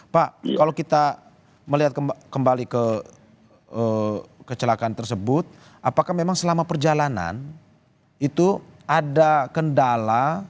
pak kalau kita melihat kembali ke kecelakaan tersebut apakah memang selama perjalanan itu ada kendala